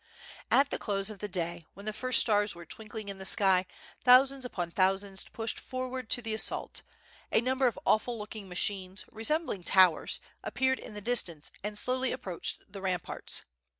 At the close of day, when the first stars were twinkling in the sky, thousands upon thousands pushed forward to the assault. A number of awful looking machines, resembling towers, appeared in the distance and slowly approached the ramparts.